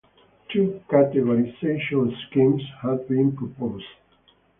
Two categorization schemes have been proposed.